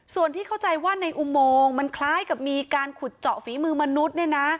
ส่วนที่เข้าใจว่าในอุโมงมันคล้ายกับมีการขุดเจาะฝีมือมนุษย์